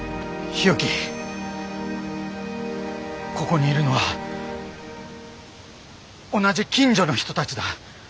ここにいるのは同じ近所の人たちだ。